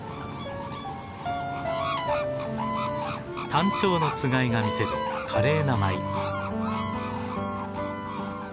タンチョウのつがいが見せる華麗な舞い。